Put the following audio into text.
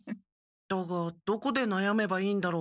だがどこでなやめばいいんだろう？